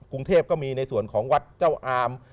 กรุงเทพก็มีในส่วนของวัดเจ้าอาม